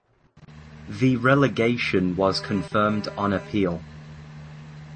The relegation was confirmed on appeal.